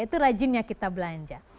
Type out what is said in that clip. itu rajinnya kita belanja